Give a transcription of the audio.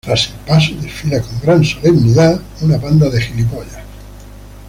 Tras el paso desfila con gran solemnidad "la guardia judía".